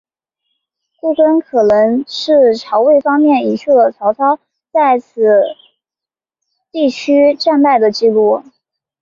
故更可能是曹魏方面隐去了曹操在此地区战败的记录。